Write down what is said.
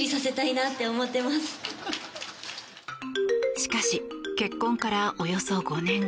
しかし、結婚からおよそ５年。